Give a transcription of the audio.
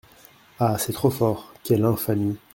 Ah ! c’est trop fort ! quelle infamie !